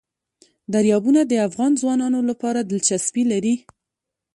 دریابونه د افغان ځوانانو لپاره دلچسپي لري.